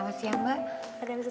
maafkan papa wulan